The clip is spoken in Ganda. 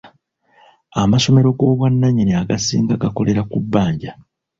Amasomero g'obwannanyini agasinga gakolera ku bbanja.